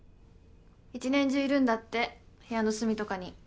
一年中いるんだって部屋の隅とかに。